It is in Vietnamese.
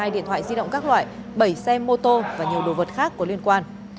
một mươi điện thoại di động các loại bảy xe mô tô và nhiều đồ vật khác có liên quan